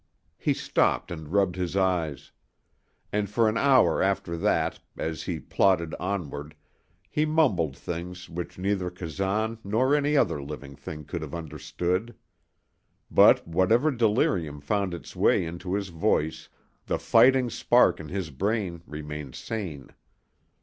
He stopped and rubbed his eyes; and for an hour after that, as he plodded onward, he mumbled things which neither Kazan nor any other living thing could have understood. But whatever delirium found its way into his voice, the fighting spark in his brain remained sane.